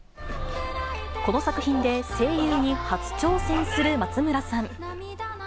この作品で声優に初挑戦する松村さん。